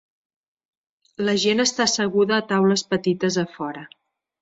La gent està asseguda a taules petites a fora.